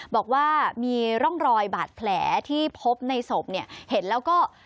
บอกว่ามีร่องรอยบาดแผลที่พบในศพเนี่ยเห็นแล้วก็